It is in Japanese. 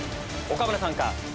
岡村さんか？